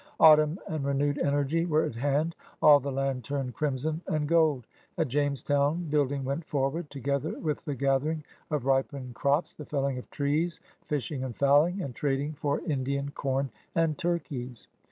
Autumn and renewed energy were at hand. All the land turned crimson and gold. At Jamestown building went forward, together with the gather ing of ripened crops, the felling of trees, fishing and fowling, and trading for Indian com and turkeys.